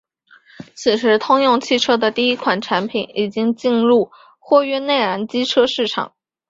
此时通用汽车的第一款产品已经进入了货运内燃机车市场。